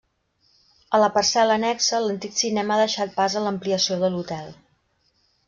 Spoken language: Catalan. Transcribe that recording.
A la parcel·la annexa, l'antic cinema ha deixat pas a l'ampliació de l'hotel.